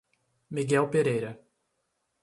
Miguel Pereira